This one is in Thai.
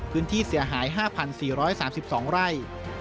พื้นที่เสียหาย๕๔๓๒ไร่